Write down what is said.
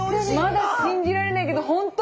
まだ信じられないけど本当？